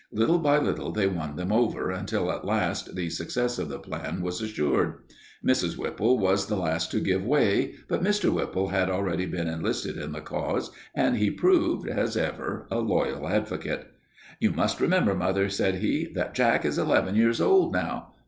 Little by little they won them over until at last the success of the plan was assured. Mrs. Whipple was the last to give way, but Mr. Whipple had already been enlisted in the cause and he proved, as ever, a loyal advocate. "You must remember, mother," said he, "that Jack is eleven years old now."